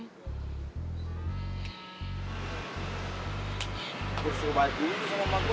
gue harus urut baju sama emak gue